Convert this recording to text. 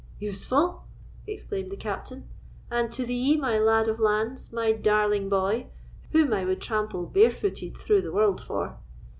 "Useful!" exclaimed the Captain, "and to thee, my lad of lands, my darling boy, whom I would tramp barefooted through the world for!